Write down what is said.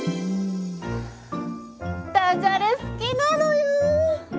ダジャレ好きなのよ。